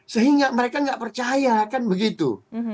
sehingga mereka nggak percaya kan begitu